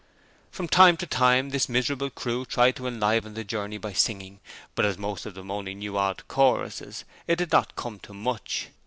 From time to time this miserable crew tried to enliven the journey by singing, but as most of them only knew odd choruses it did not come to much.